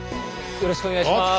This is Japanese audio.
よろしくお願いします。